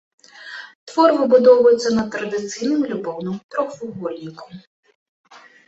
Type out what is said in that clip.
Твор выбудоўваецца на традыцыйным любоўным трохвугольніку.